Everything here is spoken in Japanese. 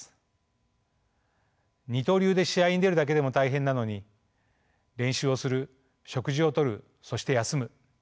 二刀流で試合に出るだけでも大変なのに練習をする食事をとるそして休む